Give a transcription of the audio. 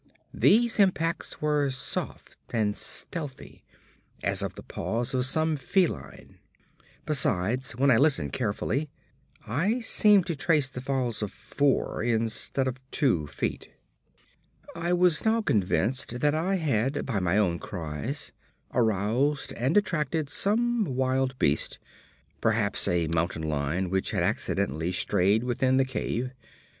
These impacts were soft, and stealthy, as of the paws of some feline. Besides, when I listened carefully, I seemed to trace the falls of four instead of two feet. I was now convinced that I had by my own cries aroused and attracted some wild beast, perhaps a mountain lion which had accidentally strayed within the cave.